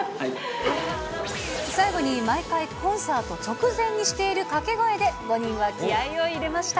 最後に毎回、コンサート直前にしている掛け声で、５人は気合いを入れました。